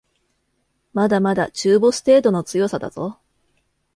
まだまだ中ボス程度の強さだぞ